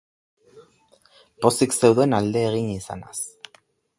Pozik zeuden alde egin izanaz.